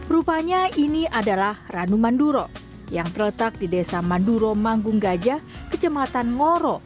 rupanya ini adalah ranu manduro yang terletak di desa manduro manggung gajah kecematan ngoro